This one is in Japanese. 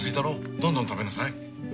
どんどん食べなさい。